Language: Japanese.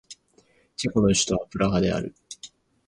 チェコの首都はプラハである